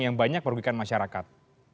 yang banyak merugikan masyarakat